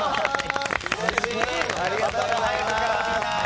ありがとうございます。